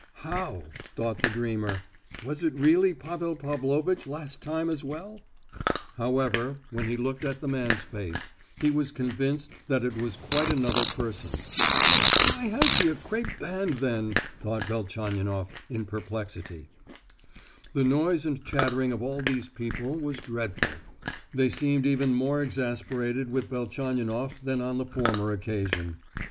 "How?" thought the dreamer. "Was it really Pavel Pavlovitch last time as well?" However, when he looked at the man's face, he was convinced that it was quite another person. "Why has he a crape band, then?" thought Velchaninoff in perplexity. The noise and chattering of all these people was dreadful; they seemed even more exasperated with Velchaninoff than on the former occasion.